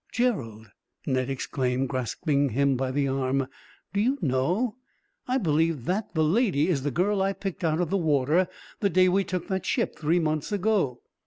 "Gerald," Ned exclaimed, grasping him by the arm, "do you know, I believe that the lady is the girl I picked out of the water, the day we took that ship three months ago."